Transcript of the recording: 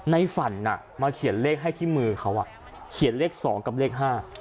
ในฝันมาเขียนเลขให้ที่มือเขาเขียนเลข๒กับเลข๕